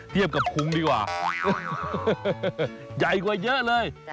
เทียบกับคุ้งดีกว่าใหญ่กว่าเยอะเลย